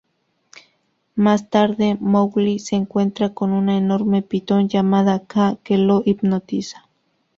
Más tarde, Mowgli se encuentra con una enorme pitón llamada Kaa, que lo hipnotiza.